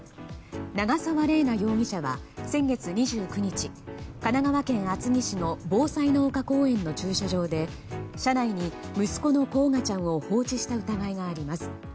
長澤麗奈容疑者は先月２９日、神奈川県厚木市のぼうさいの丘公園の駐車場で車内に息子の煌翔ちゃんを放置した疑いがあります。